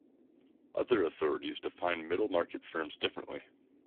Other authorities define middle-market firms differently.